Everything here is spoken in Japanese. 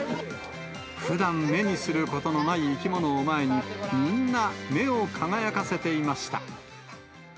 ふだん目にすることのない生き物を前に、みんな、目を輝かせていました。